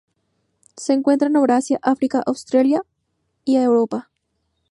Se encuentra en Eurasia, África, Australia y Europa.